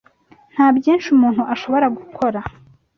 Nta byinshi umuntu ashobora gukora.